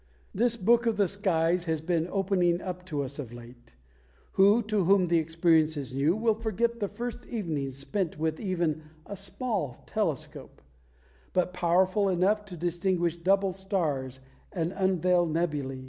This book of the skies has been opening up to us of late. Who, to whom the experience is new, will forget the first evenings spent with even a small telescope, but powerful enough to distinguish double stars and unveil nebulæ?